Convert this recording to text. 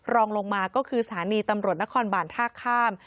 รองลงมาก็คือสถานีตำรวจนครบานท่าข้าม